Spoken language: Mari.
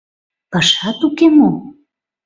Пашат уке мо?